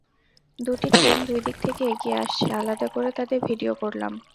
দুটি ট্রেন দুই দিক থেকে এগিয়ে আসছে, আলাদা করে তাদের ভিডিও করলাম।